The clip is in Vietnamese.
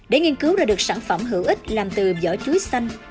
để nghiên cứu ra được sản phẩm hữu ích làm từ giỏ chuối xanh